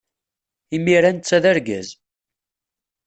Imir-a netta d argaz.